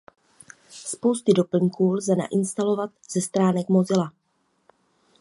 Spousty doplňků lze nainstalovat ze stránek Mozilla.